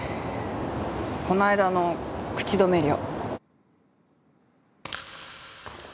この間の口止め料。